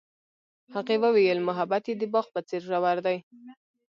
هغې وویل محبت یې د باغ په څېر ژور دی.